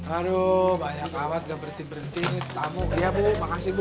aduh banyak banget gak berhenti berhenti ini tamu iya bu makasih bu